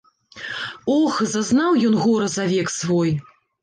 Ох, зазнаў ён гора за век свой.